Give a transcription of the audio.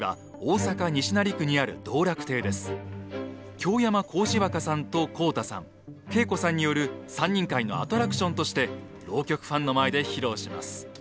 京山幸枝若さんと幸太さん恵子さんによる３人会のアトラクションとして浪曲ファンの前で披露します。